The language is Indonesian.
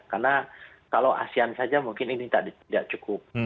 karena kalau asean saja mungkin ini tidak cukup